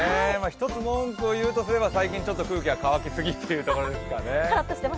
一つ文句を言うとすれば最近、空気が乾きすぎというところですかね。